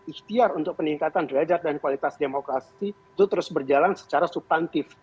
ikhtiar untuk peningkatan derajat dan kualitas demokrasi itu terus berjalan secara subtantif